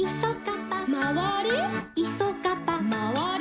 「いそがば」「まわれ？」